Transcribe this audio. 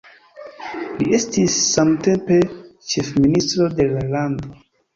Li estis samtempe ĉefministro de la lando.